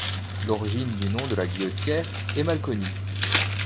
L’origine du nom de la Guillotière est mal connue.